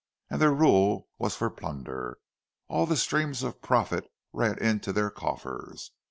And their rule was for plunder; all the streams of profit ran into their coffers.